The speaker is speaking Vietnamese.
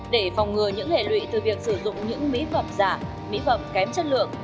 để phòng ngừa những hệ lụy từ việc sử dụng những mỹ phẩm giả mỹ phẩm kém chất lượng